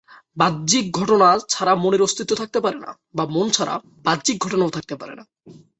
বাহ্যিক ঘটনা ছাড়া মনের অস্তিত্ব থাকতে পারে না, বা মন ছাড়া বাহ্যিক ঘটনাও থাকতে পারে না।